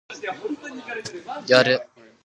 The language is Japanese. やりたいようにやる